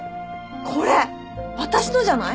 これ私のじゃない？